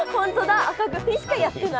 赤組しかやってない。